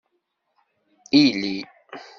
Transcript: Ili.